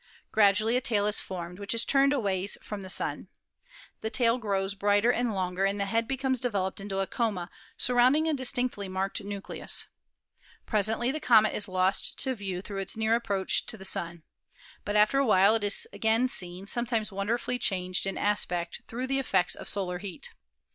Gradually a tail is formed, which is turned always from the Sun. The tail grows brighter and longer, and the head becomes developed into a coma surrounding a dis tinctly marked nucleus. Presently the comet is lost to view through its near approach to the Sun. But after a while it is again seen, sometimes wonderfully changed in aspect through the effects of solar heat.